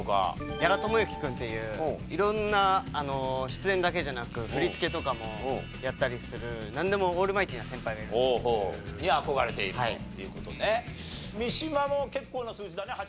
屋良朝幸君っていう色んな出演だけじゃなく振り付けとかもやったりするなんでもオールマイティーな先輩がいるんですけど。に憧れているという事でね。